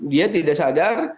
dia tidak sadar